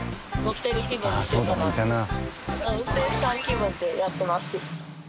運転士さん気分でやってます。